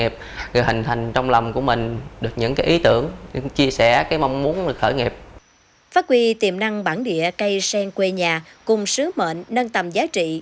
phát huy tiềm năng bản địa cây sen quê nhà cùng sứ mệnh nâng tầm giá trị